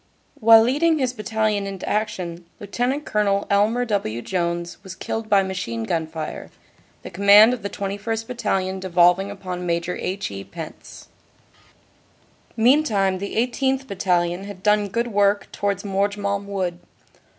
While leading his Bat talion into action, Lt. Col. Elmer W. Jones was killed by machine gun fire, the command of the 21st. Battalion devolv ing upon Maj. H. E. Pense. Meantime the 18th. Battalion had done good work towards Morgemont wood.